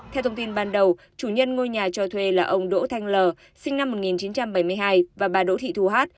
theo thông tin ban đầu chủ nhân ngôi nhà cho thuê là ông đỗ thanh l sinh năm một nghìn chín trăm bảy mươi hai và bà đỗ thị thu hát